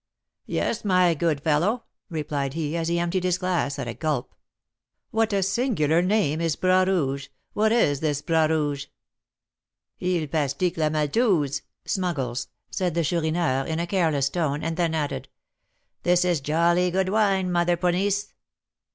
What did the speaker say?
"Yes, my good fellow," replied he, as he emptied his glass at a gulp. "What a singular name is Bras Rouge! What is this Bras Rouge?" "Il pastique la maltouze" (smuggles), said the Chourineur, in a careless tone, and then added, "This is jolly good wine, Mother Ponisse!"